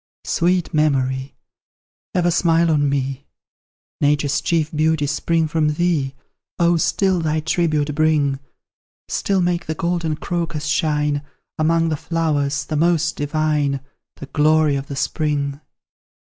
Sweet Memory! ever smile on me; Nature's chief beauties spring from thee; Oh, still thy tribute bring Still make the golden crocus shine Among the flowers the most divine, The glory of the spring.